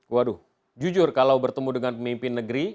waduh jujur kalau bertemu dengan pemimpin negeri